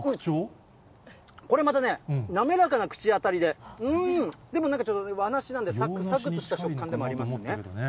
これまたね、なめらかな口当たりで、うーん、でもちょっと和梨なんで、さくさくとした食感でもありますね。